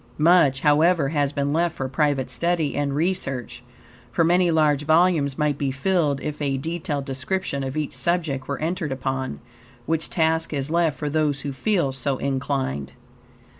Much, however, has been left for private study and research, for many large volumes might be filled if a detailed description of each subject were entered upon, which task is left for those who feel so inclined.